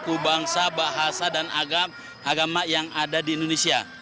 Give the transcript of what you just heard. aku bangsa bahasa dan agama yang ada di indonesia